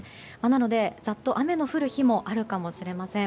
なのでざっと雨の降る日もあるかもしれません。